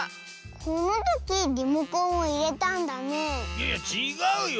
このときリモコンをいれたんだねいやちがうよ。